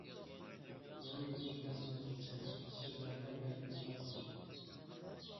مەن بۇ ئىنكاسنى يازغىچە سۆزلەرگە بەكمۇ دىققەت قىلدىم.